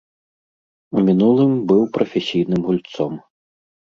У мінулым быў прафесійным гульцом.